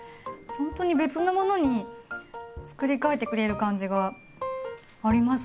ほんとに別のものにつくり替えてくれる感じがありますね。